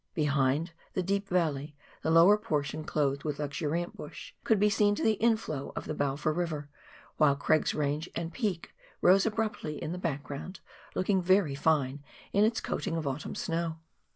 Behind, the deep valley, the lower portion clothed with luxuriant bush, could be seen to the inflow of the Balfour River, while Craig's Range and Peak rose abruptly in the background, looking very fine in its coating of autumn snow.